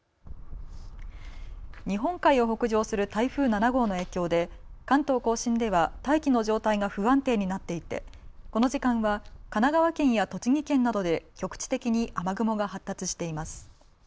日本海を北上する台風７号の影響で関東甲信では大気の状態が不安定になっていてこの時間は神奈川県や栃木県などで局地的に雨雲が発達しています。